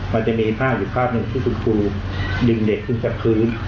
มันจะมีภาพอยู่ภาพหนึ่งที่คุณครูดึงเด็กขึ้นจากพื้น